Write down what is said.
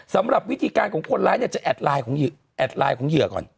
สำหรับวิธีการของคนร้ายเนี่ยจะแอดไลน์ของเหยื่อก่อน